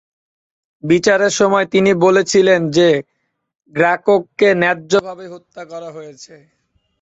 বিচারের সময় তিনি বলেছিলেন যে, গ্রাককে ন্যায্যভাবেই হত্যা করা হয়েছে।